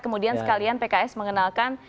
kemudian sekalian pks mengenalkan